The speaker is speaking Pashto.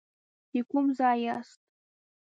د کوم ځای یاست.